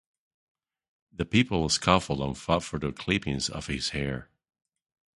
The people scuffled and fought for the clippings of his hair.